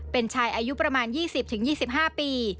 เป็นชายอายุประมาณ๒๐๒๕ปี